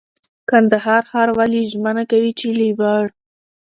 کندهار ښاروالي ژمنه کوي چي له وړ